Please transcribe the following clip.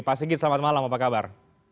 pak sigit selamat malam apa kabar